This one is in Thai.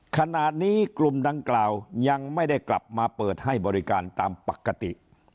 ขณะนี้กลุ่มดังกล่าวยังไม่ได้กลับมาเปิดให้บริการตามปกติ